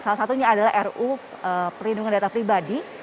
ini adalah ruu perlindungan data pribadi